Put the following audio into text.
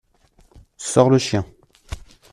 sors le chien.